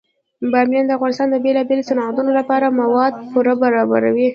بامیان د افغانستان د بیلابیلو صنعتونو لپاره مواد پوره برابروي.